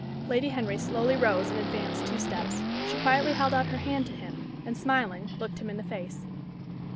Lady Henry slowly rose and advanced two steps. She quietly held out her hand to him, and, smiling, looked him in the face.